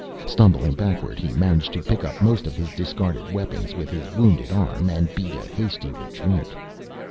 Stumbling backward he managed to pick up most of his discarded weapons with his wounded arm and beat a hasty retreat.